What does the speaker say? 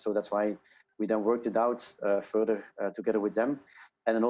dan dia sangat mendukung dan itu sebabnya kami mengerjakan ini dengan mereka